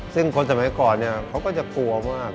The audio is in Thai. ซึ่งคนสมัยก่อนเขาก็จะกลัวมาก